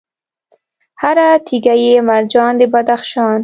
هر تیږه یې مرجان د بدخشان